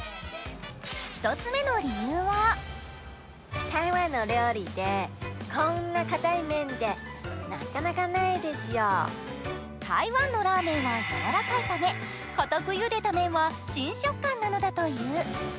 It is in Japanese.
１つ目の理由は台湾のラーメンはやわらかいため、かたくゆでた麺は新食感なのだという。